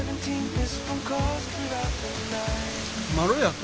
まろやか。